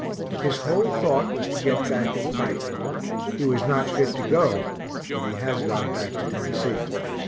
His whole thought was to get back and fight; he was not fit to go, but he has gone back to Tennessee.